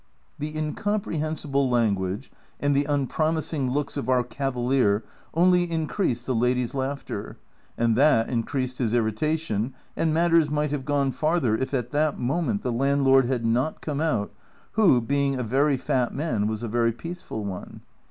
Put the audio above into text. The incomprehensible language and the unpromising looks of our cavalier only increased the ladies' laughter, and that increased his irritation, and matters might have gone farther if at that moment the landlord had not come out, who, being a very fat man, was a very peaceful one.